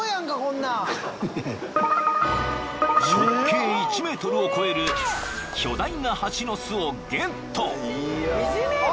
［直径１ｍを超える巨大なハチの巣をゲット］ＯＫ！